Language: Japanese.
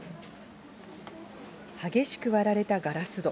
激しく割られたガラス戸。